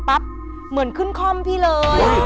เป้าเหมือนขึ้นค่องที่เลย